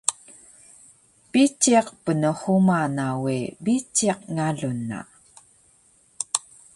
Biciq pnhuma na we, biciq ngalun na